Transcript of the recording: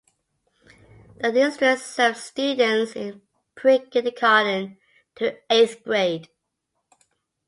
The district serves students in prekindergarten to eighth grade.